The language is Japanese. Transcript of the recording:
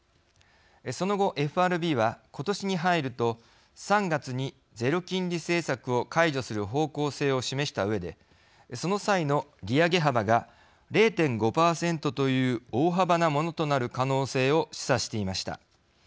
その後ＦＲＢはことしに入ると３月にゼロ金利政策を解除する方向性を示したうえでその際の利上げ幅が０．５％という大幅なものとなる可能性を示唆していました。